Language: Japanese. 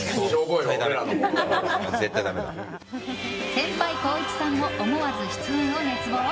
先輩・光一さんも思わず出演を熱望？